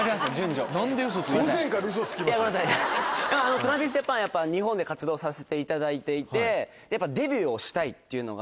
ＴｒａｖｉｓＪａｐａｎやっぱ日本で活動させていただいていて。っていう挑戦をしに行こうっていうので。